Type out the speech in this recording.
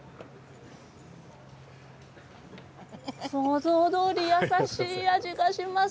想像どおり優しい味がいたします。